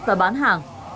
và bán hàng